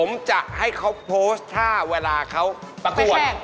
อ๋อแล้วก็ไว้อากาศนี่